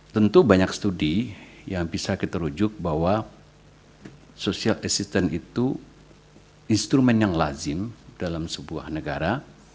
tentu banyak studi yang bisa kita rujuk bahwa social assistance itu instrumen yang lazim dalam sebuah negara